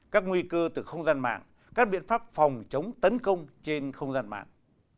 các nguy cơ từ không gian mạng các biện pháp phòng chống tấn công trên không gian mạng